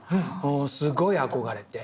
すごい憧れて。